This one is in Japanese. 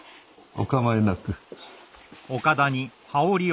お構いなく。